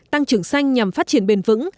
tăng trưởng xanh nhằm phát triển bền vững